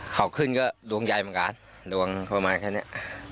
เขาขึ้นก็ดวงใหญ่เหมือนกันดวงประมาณแค่นี้